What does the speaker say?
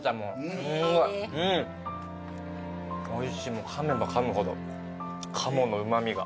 おいしいかめばかむほど鴨のうま味が。